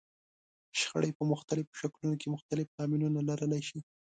شخړې په مختلفو شکلونو کې مختلف لاملونه لرلای شي.